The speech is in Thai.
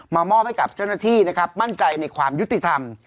มอบให้กับเจ้าหน้าที่นะครับมั่นใจในความยุติธรรม